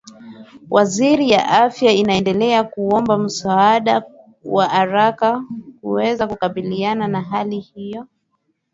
wizara ya afya imeendelea kuomba msaada wa haraka kuweza kukabiliana na hali hiyo